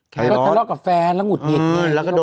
แคล้วกาแฟลงดมิด